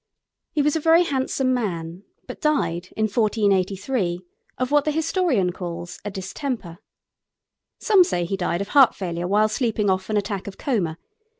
He was a very handsome man, but died, in 1483, of what the historian calls a distemper. Some say he died of heart failure while sleeping off an attack of coma.